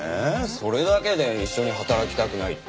それだけで一緒に働きたくないって。